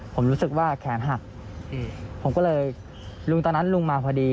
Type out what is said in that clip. ผมรู้สึกว่าแขนหักผมก็เลยลุงตอนนั้นลุงมาพอดี